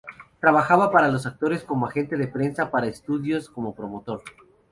Trabajaba para los actores como agente de prensa y para estudios como promotor.